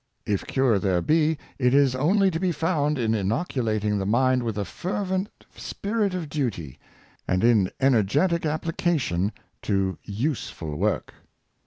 If cure there be, it is only to be found in inoculating the mind with a fervent spirit of duty^ and in energetic application to useful work.